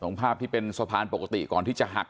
ภาพที่เป็นสะพานปกติก่อนที่จะหัก